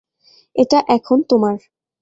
এটা এখন তোমার।